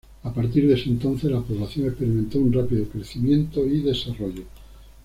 A partir de ese entonces la población experimentó un rápido crecimiento y desarrollo.